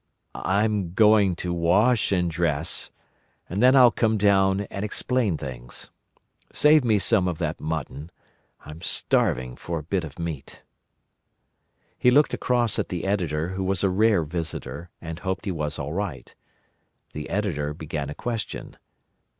"I'm going to wash and dress, and then I'll come down and explain things.... Save me some of that mutton. I'm starving for a bit of meat." He looked across at the Editor, who was a rare visitor, and hoped he was all right. The Editor began a question.